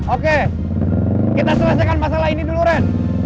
oke kita selesaikan masalah ini dulu ren